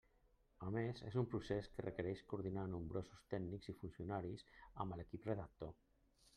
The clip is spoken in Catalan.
A més, és un procés que requerix coordinar nombrosos tècnics i funcionaris amb l'equip redactor.